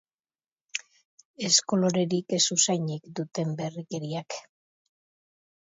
Ez kolorerik ez usainik duten berrikeriak.